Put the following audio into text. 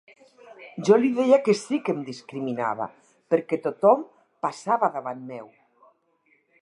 Jo li deia que sí que em discriminava, perquè tothom passava davant meu.